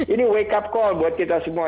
ini wake up call buat kita semua